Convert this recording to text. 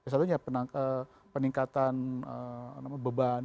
satunya peningkatan beban